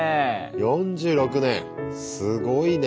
４６年すごいね。